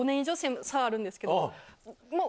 差あるんですけど。